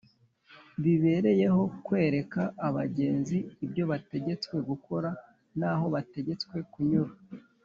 bibereyeho kwereka abagenzi ibyo bategetswe gukora n’aho bategetswe kunyura